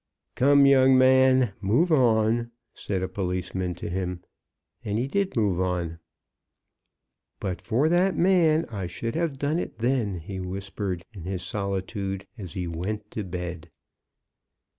'" "Come, young man, move on," said a policeman to him. And he did move on. "But for that man I should have done it then," he whispered, in his solitude, as he went to bed.